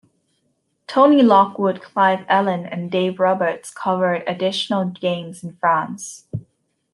Tony Lockwood, Clive Allen, and Dave Roberts covered additional games in France.